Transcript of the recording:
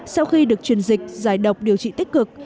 sau khi được truyền dịch giải độc điều trị tích cực